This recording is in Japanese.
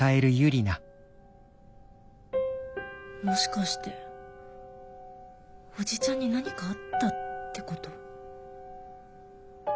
もしかしておじちゃんに何かあったってこと？